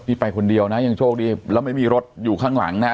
นี่ไปคนเดียวนะยังโชคดีแล้วไม่มีรถอยู่ข้างหลังนะ